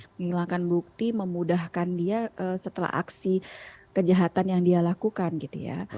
menghilangkan bukti memudahkan dia setelah aksi kejahatan yang dia lakukan gitu ya